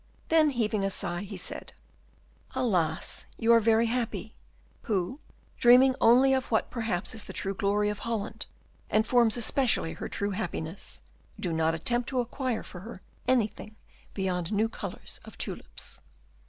Then heaving a sigh, he said, "Alas! you are very happy, who, dreaming only of what perhaps is the true glory of Holland, and forms especially her true happiness, do not attempt to acquire for her anything beyond new colours of tulips."